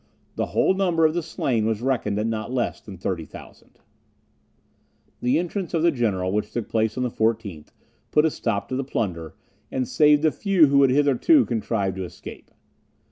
The whole number of the slain was reckoned at not less than 30,000. The entrance of the general, which took place on the 14th, put a stop to the plunder, and saved the few who had hitherto contrived to escape.